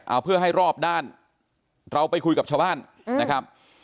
เอาเพื่อให้รอบด้านเราไปคุยกับชาวบ้านนะครับ